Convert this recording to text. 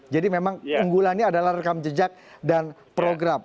jadi memang unggulannya adalah rekam jejak dan program